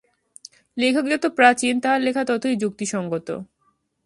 লেখক যত প্রাচীন, তাঁহার লেখা ততই যুক্তিসঙ্গত।